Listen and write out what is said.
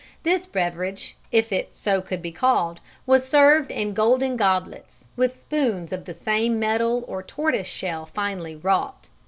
This beverage if so it could be called, was served in golden goblets, with spoons of the same metal or tortoise shell finely wrought.